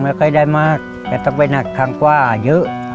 ไม่ค่อยได้มากแต่ต้องไปหนักทางกว่าเยอะ